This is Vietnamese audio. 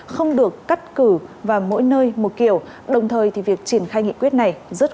không được cắt cử vào mỗi nơi một kiểu đồng thời thì việc triển khai nghị quyết này rất